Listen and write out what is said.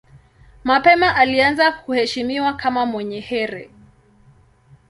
Mapema alianza kuheshimiwa kama mwenye heri.